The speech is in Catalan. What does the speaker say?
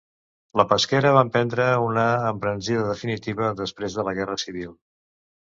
La pesquera va emprendre una embranzida definitiva després de la Guerra Civil.